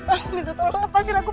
aku minta tolong lepasin aku